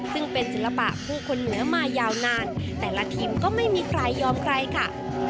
ซึ่งเป็นศิลปะผู้คนเหลือมายาวนานแต่ละทีมก็ไม่มีใครยอมใครค่ะ